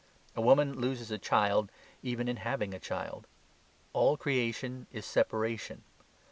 A woman loses a child even in having a child. All creation is separation.